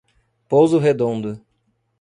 Pouso Redondo